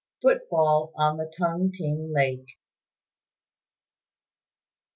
FOOT BALL ON THE TUNG T'ING LAKE.